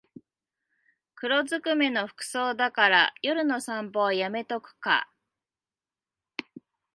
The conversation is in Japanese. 黒ずくめの服装だから夜の散歩はやめとくか